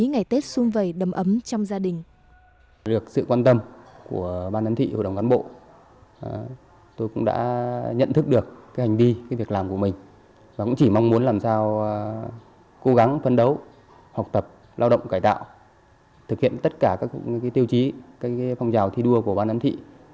ngày tết xung vầy đầm ấm trong gia đình